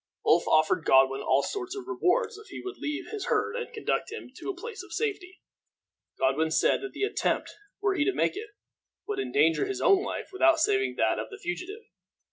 Ulf offered Godwin all sorts of rewards if he would leave his herd and conduct him to a place of safety. Godwin said that the attempt, were he to make it, would endanger his own life without saving that of the fugitive.